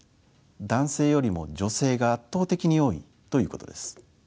男性よりも女性が圧倒的に多いということです。